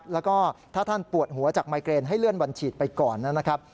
แล้วก็ถ้าท่านปวดหัวจากไมเกรนให้เลื่อนวันฉีดไปก่อนนะครับ